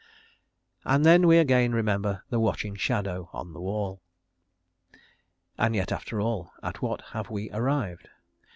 And then we again remember the watching shadow on the wall. And yet, after all, at what have we arrived?